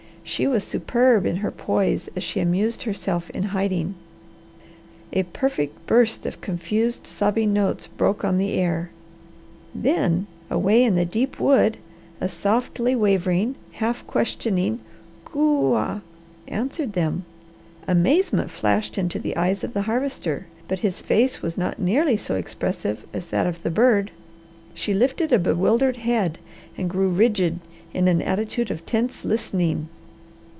She was superb in her poise as she amused herself in hiding. A perfect burst of confused, sobbing notes broke on the air. Then away in the deep wood a softly wavering, half questioning "Coo ah!" answered them. Amazement flashed into the eyes of the Harvester, but his face was not nearly so expressive as that of the bird. She lifted a bewildered head and grew rigid in an attitude of tense listening.